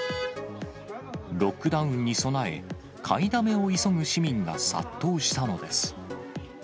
ロックダウンに備え、買いだめを急ぐ市民が殺到したのです。